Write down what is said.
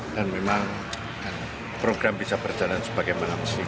dan memang program bisa berjalan sebagaimana mesin